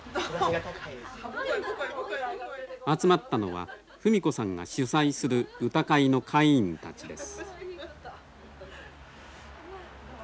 集まったのは布美子さんが主宰する歌会の会員たちです。